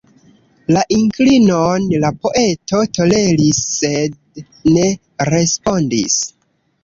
La inklinon la poeto toleris sed ne respondis.